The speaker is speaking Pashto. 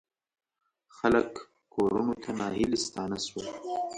خلک کورونو ته ناهیلي ستانه شول.